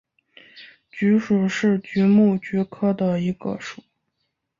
菊属是菊目菊科的一个属。